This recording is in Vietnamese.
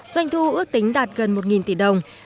doanh thu ước tính đạt gần một tỷ đồng